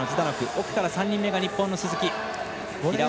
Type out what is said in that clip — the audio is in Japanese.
奥から３人目、日本の鈴木。